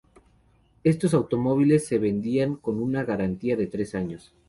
Estos automóviles se vendían con una garantía de tres años.